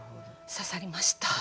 刺さりました。